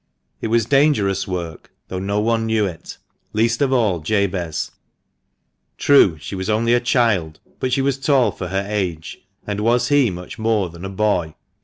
It was dangerous work, though no one knew it, least of all Jabez. True, she was only a child, but she was tall for her age, And was he much more than a boy